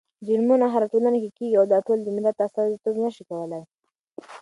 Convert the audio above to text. جرمونه هره ټولنه کې کېږي او دا د ټول ملت استازيتوب نه شي کولی.